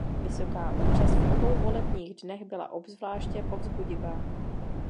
Vysoká účast v obou volebních dnech byla obzvláště povzbudivá.